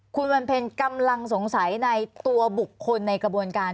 คุณวันเพ็ญกำลังสงสัยในตัวบุคคลในกระบวนการ